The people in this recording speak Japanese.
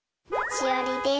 しおりです。